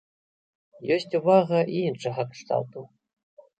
Ёсць увага і іншага кшталту.